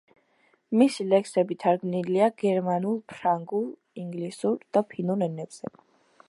მისი ლექსები თარგმნილია გერმანულ, ფრანგულ, ინგლისურ და ფინურ ენებზე.